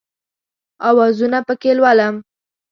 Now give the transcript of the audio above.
اوازونه پکښې لولم